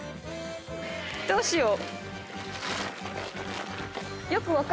どうしよう？